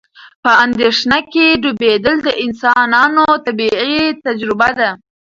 په اندېښنه کې ډوبېدل د انسانانو طبیعي تجربه ده.